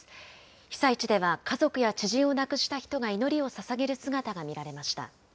被災地では家族や知人を亡くした人が祈りをささげる姿が見られました。